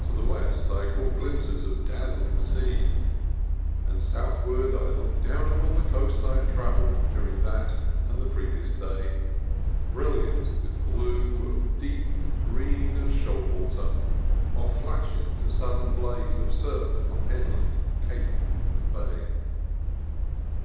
To the west I caught glimpses of dazzling sea; and southward I looked down upon the coast I had travelled during that and the previous day, brilliant with blue of deep and green of shoal water, or flashing to sudden blaze of surf on headland, cape, and bay.